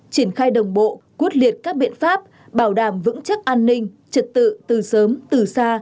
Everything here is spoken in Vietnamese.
triển khai đồng bộ quyết liệt các biện pháp bảo đảm vững chắc an ninh trật tự từ sớm từ xa